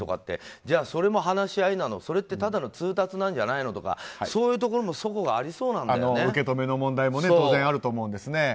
じゃあそれも話し合いなのそれってただの通達なんじゃないのとかそういうところも受け止めの問題も当然あると思うんですね。